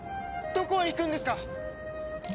どこへ行くんですか！